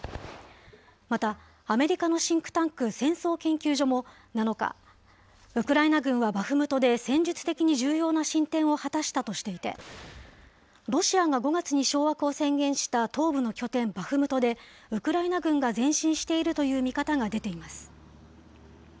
また、アメリカのシンクタンク、戦争研究所も７日、ウクライナ軍はバフムトで戦術的に重要な進展を果たしたとしていて、ロシアが５月に掌握を宣言した東部の拠点バフムトで、ウクライナ軍が前進しているという見方が出ています。